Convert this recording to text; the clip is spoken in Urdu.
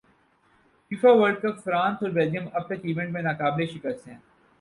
فیفا ورلڈ کپ فرانس اور بیلجیئم اب تک ایونٹ میں ناقابل شکست ہیں